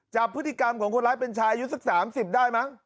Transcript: จับพฤติกรรมของคนร้ายเป็นชายอายุสัก๓๐ได้มั้ง